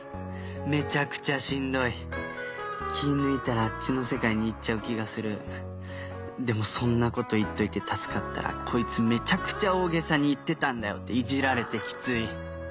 めちゃくちゃしんどい気ぃ抜いたらあっちの世界に行っちゃう気がするでもそんなこと言っといて助かったら「こいつめちゃくちゃ大げさに言ってたんだよ」っていじられてキツい